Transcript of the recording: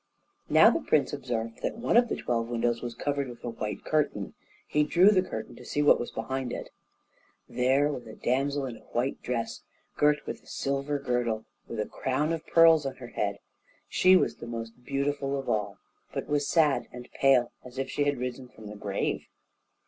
Now the prince observed that one of the twelve windows was covered with a white curtain; he drew the curtain to see what was behind it. There there was a damsel in a white dress, girt with a silver girdle, with a crown of pearls on her head; she was the most beautiful of all, but was sad and pale, as if she had risen from the grave.